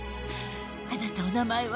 あなた、お名前は？